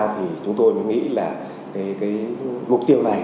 thì chúng tôi mới nghĩ là cái mục tiêu này